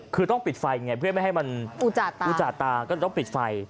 คือต้องปิดไฟไงเพื่อไม่ให้มันอุจจาตาก็ต้องปิดไฟ